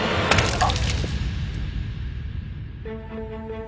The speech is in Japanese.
あっ。